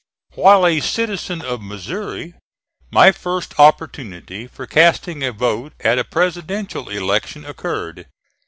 While a citizen of Missouri, my first opportunity for casting a vote at a Presidential election occurred.